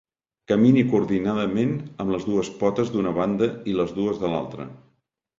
Camini coordinadament amb les dues potes d'una banda i les dues de l'altra.